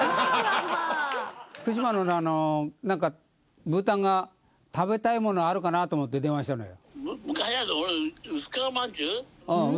福島のブーたんが食べたいものあるかなと思って電話したのよ。